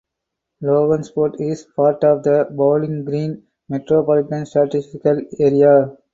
Logansport is part of the Bowling Green Metropolitan Statistical Area.